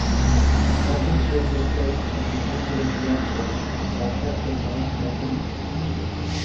Mathis was replaced on the Angels roster by catcher Mike Napoli.